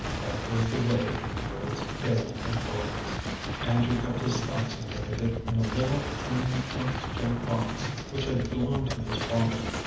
That was the way with Lloyd's failing employés. Andrew kept his stock certificate in a little, tin, trunk shaped box which had belonged to his father.